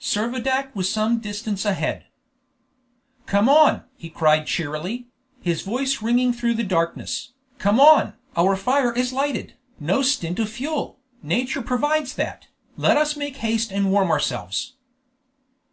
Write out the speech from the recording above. Servadac was some distance ahead. "Come on!" he cried cheerily, his voice ringing through the darkness, "come on! Our fire is lighted! no stint of fuel! Nature provides that! Let us make haste and warm ourselves!"